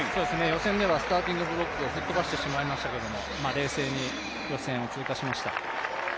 予選ではスターティング・ブロックを吹っ飛ばしてしまいましたけれども、冷静に予選を通過しました。